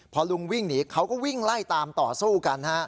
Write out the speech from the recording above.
พอลุงวิ่งหนีเขาก็วิ่งไล่ตามต่อสู้กันฮะ